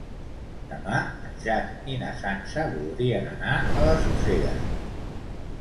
Demà en Jan i na Sança voldrien anar a les Useres.